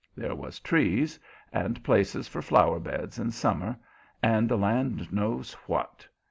There was trees, and places for flower beds in summer, and the land knows what.